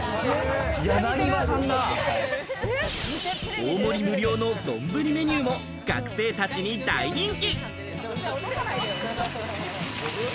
大盛り無料の丼メニューも、学生たちに大人気。